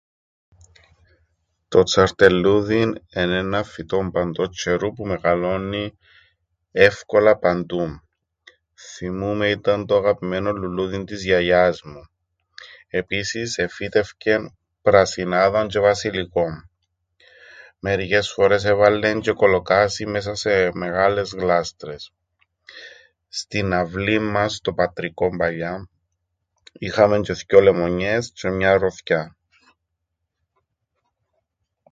Το τσαρτελλούδιν εν' έναν φυτόν παντός τζ̆αιρού που μεγαλώννει εύκολα παντού. Θθυμούμαι ήταν το αγαπημένον λουλλούδιν της γιαγιάς μου. Επίσης, εφύτευκεν πρασινάδαν τζ̆αι βασιλικόν. Μερικές φορές έβαλλεν τζ̆αι κολοκάσιν μέσα σε μεγάλες γλάστρες. Στην αυλήν μας, στο πατρικόν παλιά, είχαμεν τζ̆αι θκυο λεμονιές τζ̆αι μιαν ροθκιάν.